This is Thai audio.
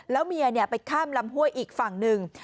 แล้วเมียไปข้ามลำห้วยอีกฝั่งหนึ่ง